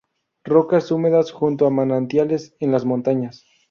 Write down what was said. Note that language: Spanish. Rocas húmedas, junto a manantiales, en las montañas.